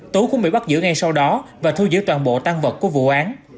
tú cũng bị bắt giữ ngay sau đó và thu giữ toàn bộ tăng vật của vụ án